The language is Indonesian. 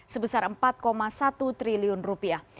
sebesar empat satu triliun rupiah